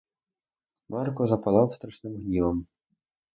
Марко запалав страшним гнівом.